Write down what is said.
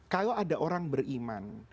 kalau ada orang beriman